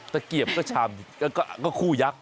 ตะเกียบก็คู่ยักษ์